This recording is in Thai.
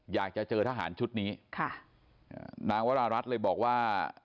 อยากจะเจอทหารชุดนี้ค่ะนางวรารัฐเลยบอกว่า